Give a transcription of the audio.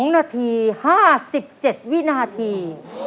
๒นาที๕๗วินาที